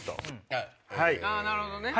あなるほどね。